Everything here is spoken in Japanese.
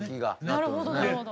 なるほどなるほど。